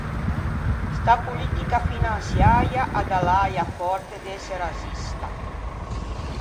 Sta politica finansiäia a dà l’äia fòrte d’ëse razzista.